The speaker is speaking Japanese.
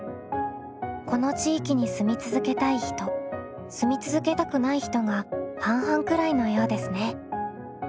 この地域に住み続けたい人住み続けたくない人が半々くらいのようですね。